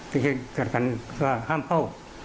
ที่กลับกันก็ห้ามเข้า